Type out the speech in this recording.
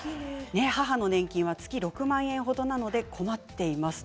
母の年金は月６万円程なので困っています。